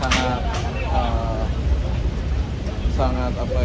sempat dibahas itu juga dengan beliau pak